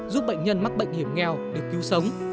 giúp bệnh nhân mắc bệnh hiểm nghèo được cứu sống